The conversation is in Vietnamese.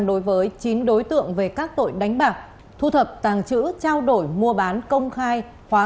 đối với chín đối tượng về các tội đánh bạc thu thập tàng chữ trao đổi mua bán công khai phá